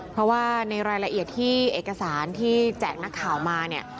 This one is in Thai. เพราะว่าในรายละเอียดที่เอกสารที่แจกนักข่าวมาเนี่ย